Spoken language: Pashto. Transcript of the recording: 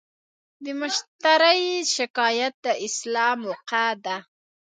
د مشتری شکایت د اصلاح موقعه ده.